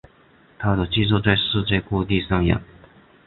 他的剧作在世界各地上演。